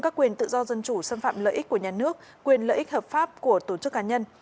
các quyền tự do dân chủ xâm phạm lợi ích của nhà nước quyền lợi ích hợp pháp của tổ chức cá nhân